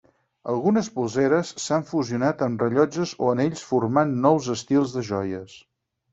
Algunes polseres s'han fusionat amb rellotges o anells formant nous estils de joies.